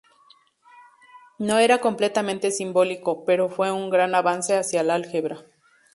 No era completamente simbólico, pero fue un gran avance hacia el álgebra.